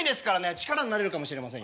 力になれるかもしれませんよ。